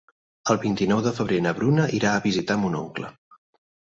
El vint-i-nou de febrer na Bruna irà a visitar mon oncle.